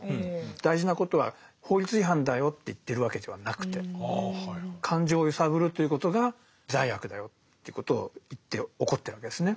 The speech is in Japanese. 大事なことは法律違反だよって言ってるわけではなくて感情を揺さぶるということが罪悪だよということを言って怒ってるわけですね。